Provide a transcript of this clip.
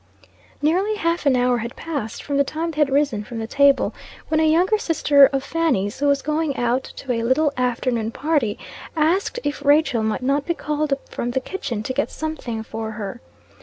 Nearly half an hour had passed from the time they had risen from the table, when a younger sister of Fanny's, who was going out to a little afternoon party, asked if Rachael might not be called up from the kitchen to get something for her.